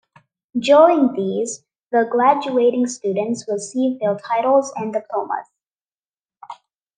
During these the graduating students receive their titles and diplomas.